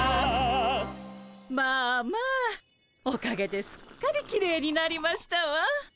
まあまあおかげですっかりきれいになりましたわ。